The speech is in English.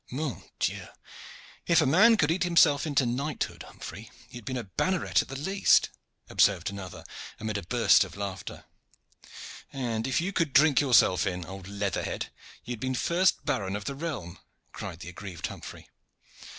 "Mon Dieu! if a man could eat himself into knighthood, Humphrey, you had been a banneret at the least," observed another, amid a burst of laughter. "And if you could drink yourself in, old leather head, you had been first baron of the realm," cried the aggrieved Humphrey.